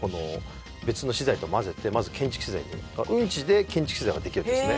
別の資材と混ぜてまず建築資材にうんちで建築資材ができるんですね